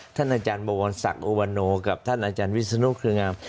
ท่านอาจารย์บวรศักดิโอวันโนกับท่านอาจารย์วิศนุเครืองาม